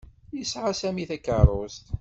Yesɛa Sami takeṛṛust.